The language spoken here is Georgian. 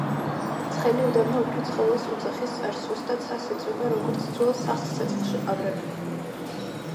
ცხელი უდაბნო უფრო ცხოველს უძაზის წარსულს და ცას ეწვება როგორც ძველ სახლს ცეცხლში ყავრები